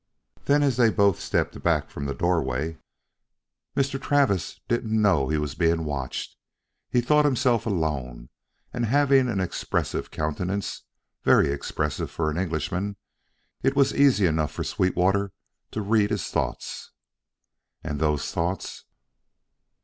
Then as they both stepped back from the doorway: "Mr. Travis didn't know he was being watched. He thought himself alone; and having an expressive countenance, very expressive for an Englishman, it was easy enough for Sweetwater to read his thoughts." "And those thoughts?"